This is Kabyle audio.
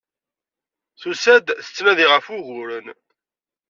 Tusa-d, tettnadi ɣef wuguren.